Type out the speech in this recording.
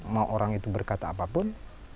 mau orang itu berkata apapun